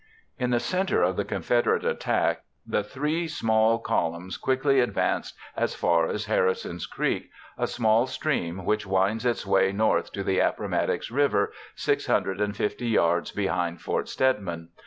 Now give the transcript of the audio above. In the center of the Confederate attack, the three small columns quickly advanced as far as Harrison's Creek—a small stream which winds its way north to the Appomattox River 650 yards behind Fort Stedman.